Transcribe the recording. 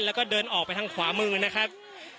แล้วก็เดินออกไปทางขวามือนะครับ